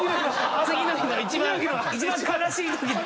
次の日の一番悲しいとき。